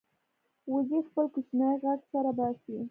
وزې خپل کوچنی غږ سره باسي